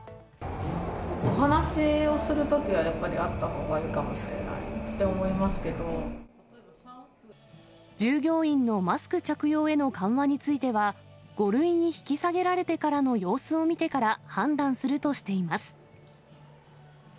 お話をするときはやっぱりあったほうがいいかもしれないと思従業員のマスク着用への緩和については、５類に引き下げられてからの様子を見てから、判断するとしています。